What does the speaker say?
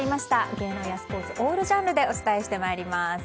芸能やスポーツオールジャンルでお伝えしてまいります。